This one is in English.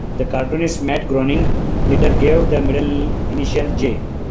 The cartoonist Matt Groening later gave the middle initial J.